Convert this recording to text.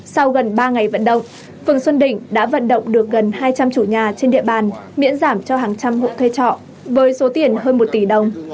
sau gần ba ngày vận động phường xuân định đã vận động được gần hai trăm linh chủ nhà trên địa bàn miễn giảm cho hàng trăm hộ thuê trọ với số tiền hơn một tỷ đồng